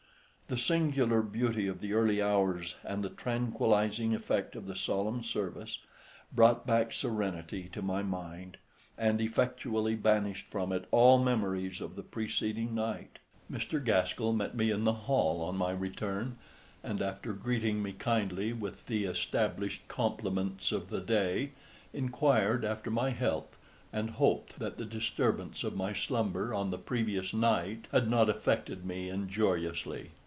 The singular beauty of the early hours, and the tranquillising effect of the solemn service brought back serenity to my mind, and effectually banished from it all memories of the preceding night. Mr. Gaskell met me in the hall on my return, and after greeting me kindly with the established compliments of the day, inquired after my health, and hoped that the disturbance of my slumber on the previous night had not affected me injuriously.